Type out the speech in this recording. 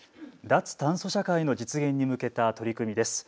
脱炭素社会の実現に向けた取り組みです。